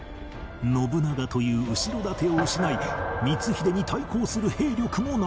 信長という後ろ盾を失い光秀に対抗する兵力もない